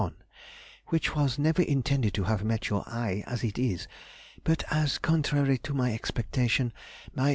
1, which was never intended to have met your eye as it is; but, as contrary to my expectation, my No.